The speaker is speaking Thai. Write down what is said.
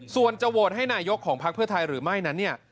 ส่วนจะโวนให้นายกของพรรคเพื่อไทยหรือไม่นั้น